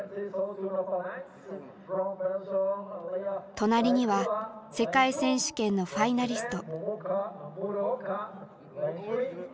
隣には世界選手権のファイナリスト。